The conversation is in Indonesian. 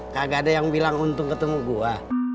gak ada yang bilang untung ketemu gue